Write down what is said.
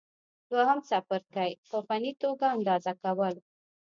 دوهم څپرکی: په فني توګه اندازه کول